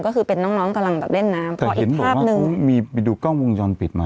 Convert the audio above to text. ก็คือเป็นน้องน้องกำลังแบบเล่นน้ำพอเห็นภาพนึงมีไปดูกล้องวงจรปิดมา